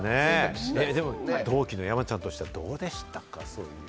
同期の山ちゃんとしてはどうでした？